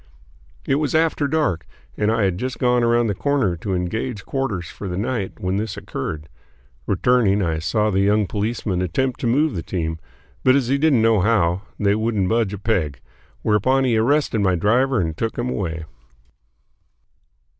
It was after dark and I had just gone around the corner to engage quarters for the night when this occurred. Returning, I saw the young policeman attempt to move the team, but as he didn't know how, they wouldn't budge a peg, whereupon he arrested my driver and took him away.